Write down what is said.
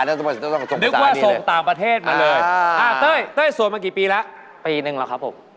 ดูเลยว่าส่งต่างประเทศมาเลย